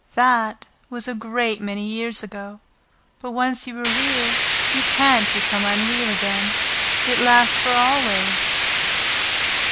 "That was a great many years ago; but once you are Real you can't become unreal again. It lasts for always."